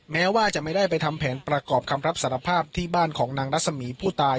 แม้ว่าจะไม่ได้ไปทำแผนประกอบคำรับสารภาพที่บ้านของนางรัศมีผู้ตาย